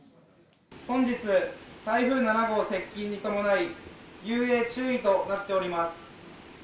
本日、台風７号接近に伴い、遊泳注意となっております。